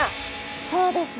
そうですね。